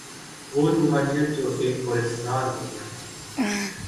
وہ روحانیت جو ایک پراسرار دنیا ہے۔